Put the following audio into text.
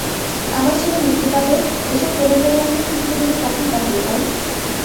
আমার ছবি মুক্তি পাবে এসব কেলেঙ্কারি এখন ঠিক হবে না কখন তাহলে, ওম?